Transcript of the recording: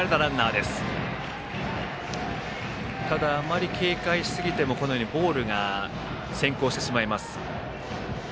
あまり警戒しすぎてもこのようにボールが先行してしまいます。